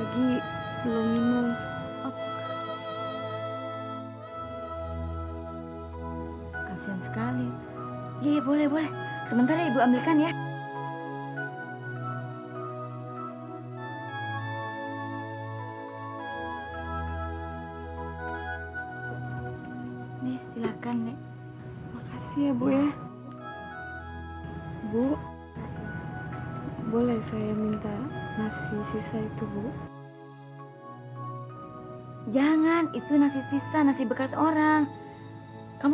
tidak ada lagi yang dapat hamba k had rendet